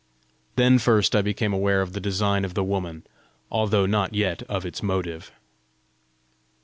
Then first I became aware of the design of the woman, although not yet of its motive.